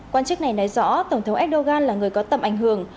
quan chức này nói rõ tổng thống erdogan là người có tầm ảnh hưởng